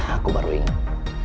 aku baru ingat